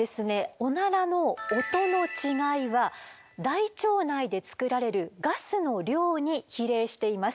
オナラの音の違いは大腸内で作られるガスの量に比例しています。